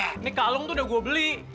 ini kalung tuh udah gue beli